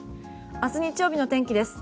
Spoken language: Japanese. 明日、日曜日の天気です。